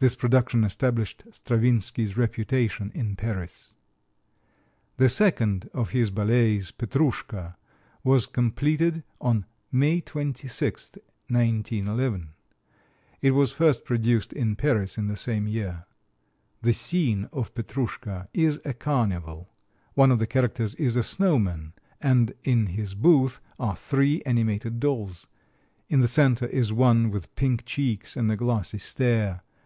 This production established Stravinsky's reputation in Paris. The second of his ballets, "Petrouschka," was completed on May 26, 1911. It was first produced in Paris in the same year. The scene of Petrouschka is a carnival. One of the characters is a showman, and in his booth are three animated dolls. In the center is one with pink cheeks and a glassy stare.